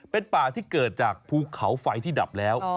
เป็นป่าที่เกิดจากภูเขาไฟที่ดับแล้ว